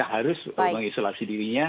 mereka harus mengisolasi dirinya